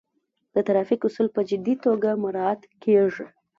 د ترافیک اصول په جدي توګه مراعات کیږي.